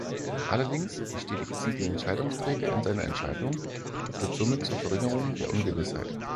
Allerdings bestätigt sie den Entscheidungsträger in seiner Entscheidung, führt somit zur Verringerung der Ungewissheit.